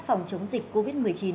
phòng chống dịch covid một mươi chín